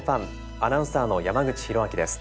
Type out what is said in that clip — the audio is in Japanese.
アナウンサーの山口寛明です。